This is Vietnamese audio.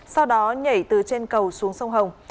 sau đó nhảy từ trên cầu xuống sông hồng